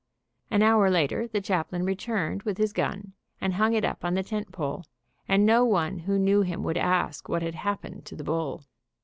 An hour later the chaplain returned with his gun and hung it up on the tent pole, and no one who knew him would ask what had happened to the bull.